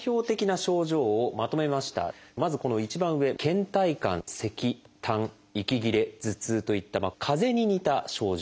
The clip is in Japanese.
まずこの一番上けん怠感せきたん息切れ頭痛といったかぜに似た症状